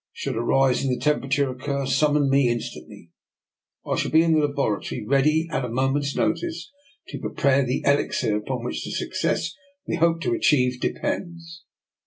Should a rise in the temperature occur summon me instantly. I shall be in the laboratory ready at a moment's notice to prepare the Elixir upon which the success we hope to achieve depends."